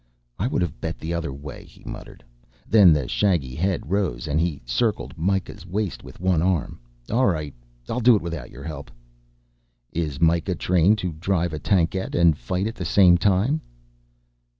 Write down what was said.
"I would have bet the other way," he muttered. Then the shaggy head rose, and he circled Myka's waist with one arm. "All right, I'll do it without your help." "Is Myka trained to drive a tankette and fight at the same time?"